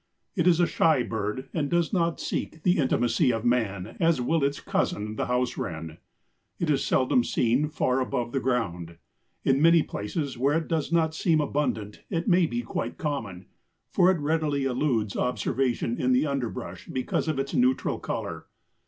It is a shy bird, and does not seek the intimacy of man as will its cousin, the house wren. It is seldom seen far above the ground. In many places where it does not seem abundant it may be quite common, for it readily eludes observation in the underbrush because of its neutral color.